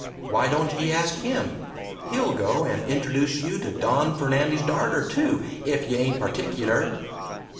why don't ye ask him? He'll go and introduce you to Don Fernandy's darter, too, ef you ain't pertickler."